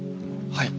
はい。